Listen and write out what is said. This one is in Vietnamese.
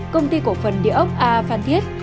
công ty cổ phần địa ốc a phan thiết